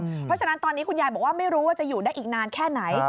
เพราะฉะนั้นตอนนี้คุณยายบอกว่าไม่รู้ว่าจะอยู่ได้อีกนานแค่ไหน